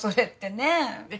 ねえ。